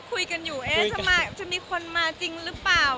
คุยกันอยู่จะมีคนมาจริงหรือเปล่า